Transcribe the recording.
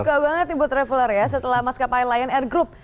iya duka banget ini buat traveler ya setelah maskapai lion air group